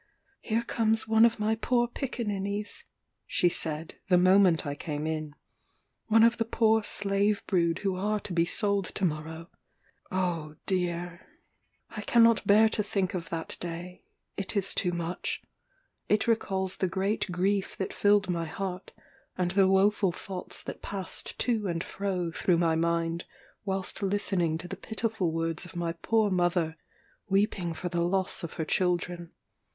"Here comes one of my poor picaninnies!" she said, the moment I came in, "one of the poor slave brood who are to be sold to morrow." Oh dear! I cannot bear to think of that day, it is too much. It recalls the great grief that filled my heart, and the woeful thoughts that passed to and fro through my mind, whilst listening to the pitiful words of my poor mother, weeping for the loss of her children.